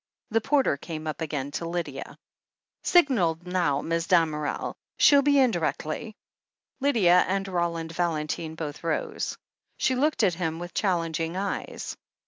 The porter came up again to Lydia. "Signalled now. Mis' Damerel. She'll be in directly." Lydia and Roland Valentine both rose. She looked at him with challenging eyes.